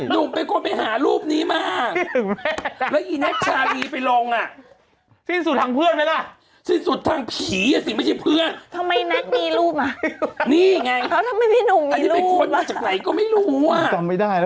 เริ่มจากเพื่อนมาเป็นผัวเนี่ย